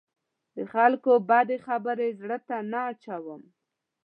د خلکو بدې خبرې زړه ته نه اچوم.